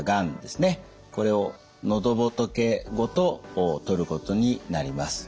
これを喉仏ごと取ることになります。